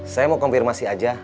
saya mau konfirmasi aja